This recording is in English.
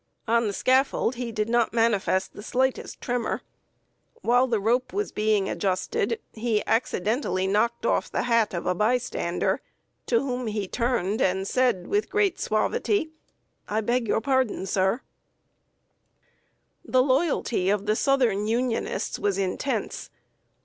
On the scaffold he did not manifest the slightest tremor. While the rope was being adjusted, he accidentally knocked off the hat of a bystander, to whom he turned and said, with great suavity: "I beg your pardon, sir." [Sidenote: STEADFASTNESS OF SOUTHERN UNIONISTS.] The loyalty of the southern Unionists was intense.